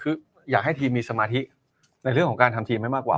คืออยากให้ทีมมีสมาธิในเรื่องของการทำทีมให้มากกว่า